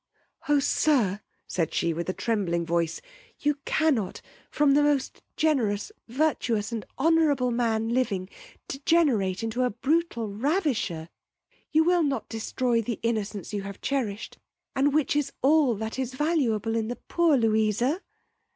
O, sir! said she, with a trembling voice, you cannot, from the most generous, virtuous and honourable man living, degenerate into a brutal ravisher. You will not destroy the innocence you have cherished, and which is all that is valuable in the poor Louisa.